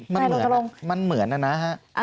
มันเหมือนมันเหมือนนะฮะ